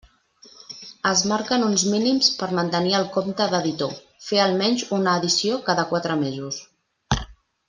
Es marquen uns mínims per mantenir el compte d'editor: fer almenys una edició cada quatre mesos.